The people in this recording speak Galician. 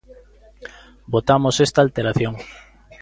Votamos esta alteración.